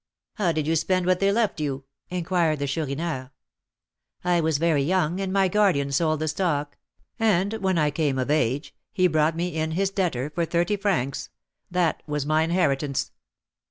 "How did you spend what they left you?" inquired the Chourineur. "I was very young, and my guardian sold the stock; and, when I came of age, he brought me in his debtor for thirty francs; that was my inheritance."